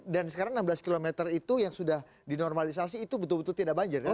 dan sekarang enam belas km itu yang sudah dinormalisasi itu betul betul tidak banjir kan